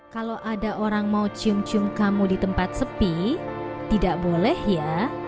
kalau ada orang mau cium cium kamu di tempat sepi tidak boleh ya